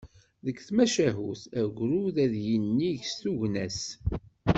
Deg tmacahut, agrud ad yinig s tugna-s.